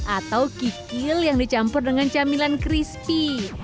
atau kikil yang dicampur dengan camilan crispy